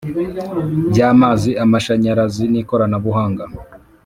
By amazi amashanyarazi n ikorabuhanga